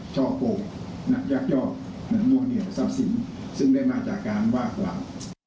ชอบโกลยักษ์ชอบมั่วเหนียวซับศิลป์ซึ่งได้มาจากการว่าความ